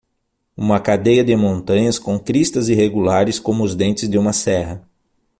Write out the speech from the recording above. Uma cadeia de montanhas com cristas irregulares como os dentes de uma serra